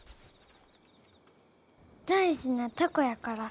大事な凧やから。